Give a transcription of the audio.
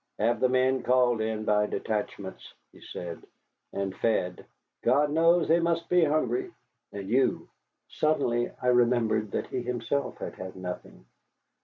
"Have the men called in by detachments," he said, "and fed. God knows they must be hungry, and you." Suddenly I remembered that he himself had had nothing.